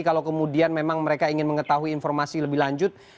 kalau kemudian memang mereka ingin mengetahui informasi lebih lanjut